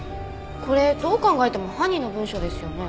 これどう考えても犯人の文章ですよね。